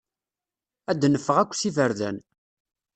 Ad d-neffeɣ akk s iberdan.